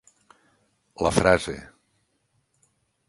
La frase.